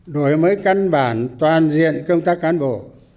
đổi mới căn bản toàn diện công tác cán bộ